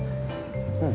うん。